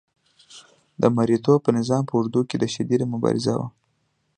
د مرئیتوب نظام په اوږدو کې شدیده مبارزه وه.